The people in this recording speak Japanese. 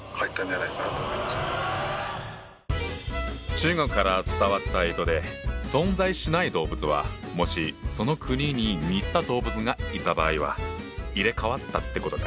中国から伝わった干支で存在しない動物はもしその国に似た動物がいた場合は入れ代わったってことか。